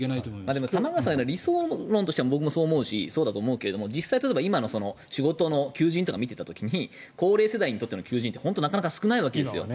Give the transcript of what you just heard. でも玉川さんが言うのは理想論としてはそう思うしそうだと思うけど実際に今の仕事の求人を見た時に高齢世代にとっての求人ってなかなか少ないわけですよ。